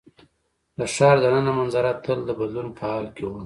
د ښار د ننه منظره تل د بدلون په حال کې وه.